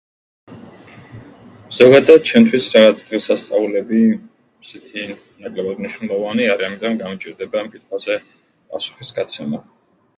ზოგადად ჩემთვის რაღაც დღესასწაულები, ასეთი, ნაკლებად მნიშვნელოვანი არის, ამიტომ გამიჭირდება ამ კითხვაზე პასუხის გაცემა.